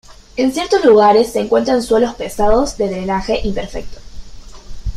En ciertos lugares se encuentran suelos pesados de drenaje imperfecto.